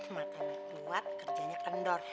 matanya kuat kerjanya kendor